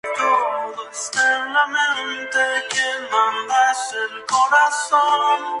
Comienza la batalla final por la liberación del cuerpo.